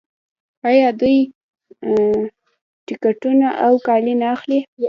آیا دوی ټکټونه او کالي نه اخلي؟